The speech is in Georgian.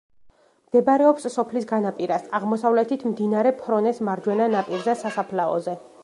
მდებარეობს სოფლის განაპირას, აღმოსავლეთით, მდინარე ფრონეს მარჯვენა ნაპირზე, სასაფლაოზე.